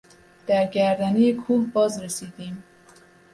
در گردنهٔ کوه باز رسیدیم.